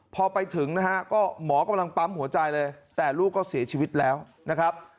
พอไปถึงนะฮะก็หมอกำลังปั๊มหัวใจเลยแต่ลูกก็เสียชีวิตแล้วนะครับ